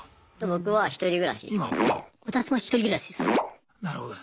僕は１人暮らしですね。